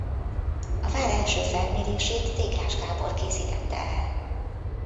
A vár első felmérését Téglás Gábor készítette el.